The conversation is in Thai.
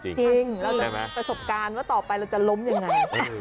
จริงแล้วประสบการณ์ว่าต่อไปเราจะล้มยังไง